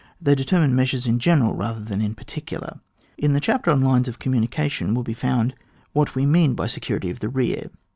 They determine measures in general rather than in particidar. In the chapter on lines of communica tion will be found what we mean bv security of the rear.